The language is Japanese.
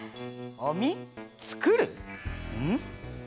あみつくる？ん？